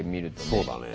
そうだね。